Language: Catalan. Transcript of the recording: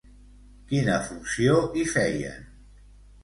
Quina funció hi feien?